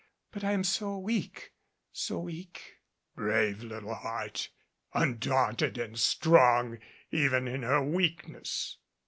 But I am so weak, so weak " Brave little heart! Undaunted and strong even in her weakness!